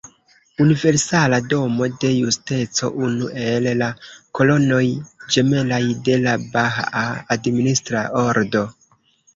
Universala Domo de Justeco: Unu el la kolonoj ĝemelaj de la Bahaa administra ordo.